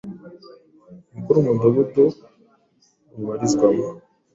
umukuru w’umudugudu rubarizwamo,